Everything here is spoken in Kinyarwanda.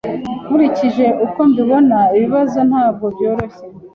Nkurikije uko mbibona, ikibazo ntabwo cyoroshye.